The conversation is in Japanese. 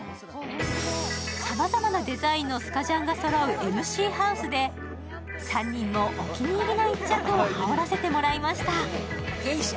さまざまなデザインのスカジャンがそろうＭＣハウスで３人もお気に入りの一着を羽織らせてもらいました。